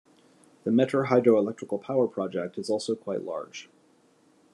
The Mettur Hydro Electrical power project is also quite large.